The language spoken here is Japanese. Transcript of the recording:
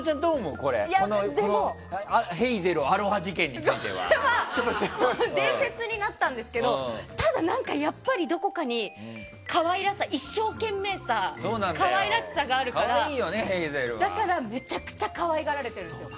これは伝説になったんですけどただ、何かどこかに可愛らしさ一生懸命さがあるからだから、めちゃくちゃ可愛がられてるんですよ。